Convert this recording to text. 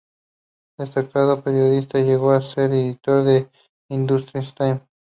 Destacado periodista, llegó a ser editor de "Hindustan Times".